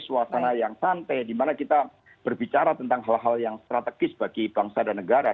suasana yang santai dimana kita berbicara tentang hal hal yang strategis bagi bangsa dan negara